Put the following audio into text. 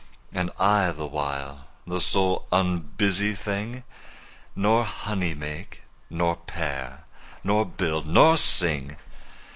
And I, the while, the sole unbusy thing, 5 Nor honey make, nor pair, nor build, nor sing.